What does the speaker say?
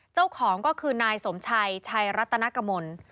เจ้าของก็คือนายสมชัยชัยรัตนกมล